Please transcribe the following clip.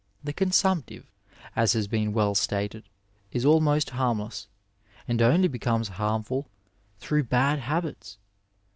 The con sumptive, as has been weU stated, is almost harmless; and only becomes harmful through bad habits.